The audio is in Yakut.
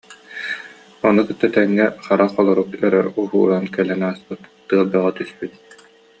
Ону кытта тэҥҥэ хара холорук өрө уһууран кэлэн ааспыт, тыал бөҕө түспүт